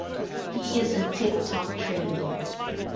He is in tip-top training.